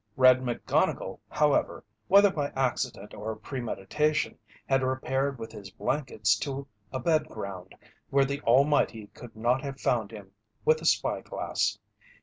"Red" McGonnigle, however, whether by accident or premeditation, had repaired with his blankets to a bed ground where the Almighty could not have found him with a spy glass.